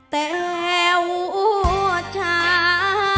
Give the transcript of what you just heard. แต้วช้า